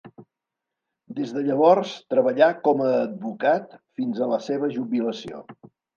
Des de llavors treballà com a advocat fins a la seva jubilació.